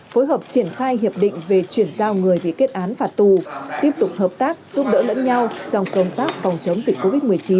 phối hợp triển khai hiệp định về chuyển giao người bị kết án phạt tù tiếp tục hợp tác giúp đỡ lẫn nhau trong công tác phòng chống dịch covid một mươi chín